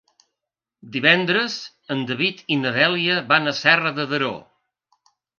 Divendres en David i na Dèlia van a Serra de Daró.